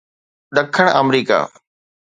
ڏکڻ آمريڪا